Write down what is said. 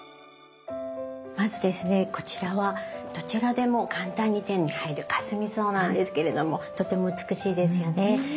まずですねこちらはどちらでも簡単に手に入るかすみ草なんですけれどもとても美しいですよね。